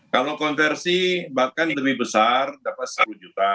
kalau konversi bahkan lebih besar dapat sepuluh juta